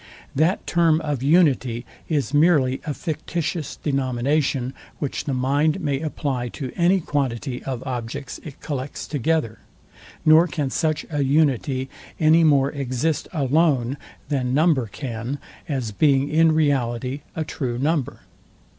That term of unity is merely a fictitious denomination, which the mind may apply to any quantity of objects it collects together; nor can such an unity any more exist alone than number can, as being in reality a true number.